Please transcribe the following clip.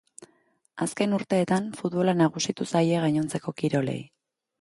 Azken urteetan futbola nagusitu zaie gainontzeko kirolei.